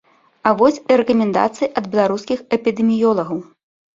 А вось і рэкамендацыі ад беларускіх эпідэміёлагаў.